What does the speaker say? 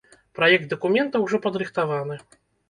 Праект дакумента ўжо падрыхтаваны.